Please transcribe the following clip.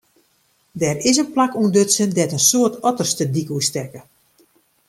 Der is in plak ûntdutsen dêr't in soad otters de dyk oerstekke.